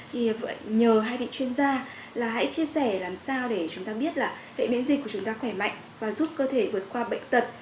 thì nhờ hai vị chuyên gia là hãy chia sẻ làm sao để chúng ta biết là hệ biến dịch của chúng ta khỏe mạnh và giúp cơ thể vượt qua bệnh tật